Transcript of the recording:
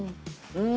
うん！